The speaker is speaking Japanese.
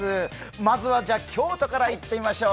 まずは京都からいってみましょう。